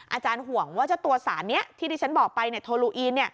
อาจารย์ห่วงว่าเจ้าตัวสารนี้ที่ที่ฉันบอกไปโทลูอีน